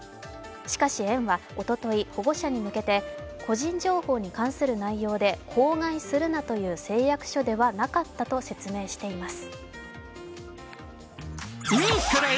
しかし園はおととい保護者に向けて個人情報に関する内容で口外するなという誓約書ではなかったと説明しています。